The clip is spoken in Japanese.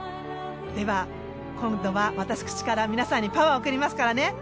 では今度は私から皆さんにパワー送りますからね。